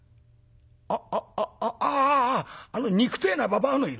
「あっあっあああの憎体なばばあのいる？